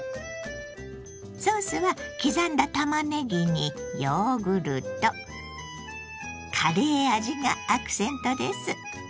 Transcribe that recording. ソースは刻んだたまねぎにヨーグルトカレー味がアクセントです。